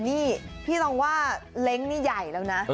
นี่พี่ลองว่าเล้งนี่ใหญ่แล้วนะ